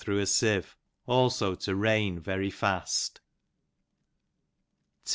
thro' a sieve; also to rain very fast.